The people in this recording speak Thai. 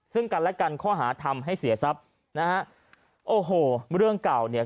ซึ่งกันและกันข้อหาทำให้เสียทรัพย์นะฮะโอ้โหเรื่องเก่าเนี่ย